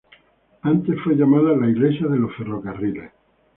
Antes fue llamada la "Iglesia de los ferrocarriles".